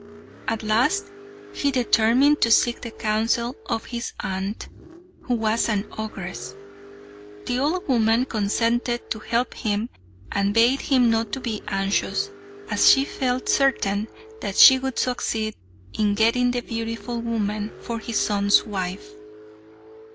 At last he determined to seek the counsel of his aunt, who was an ogress. The old woman consented to help him, and bade him not to be anxious, as she felt certain that she would succeed in getting the beautiful woman for his son's wife.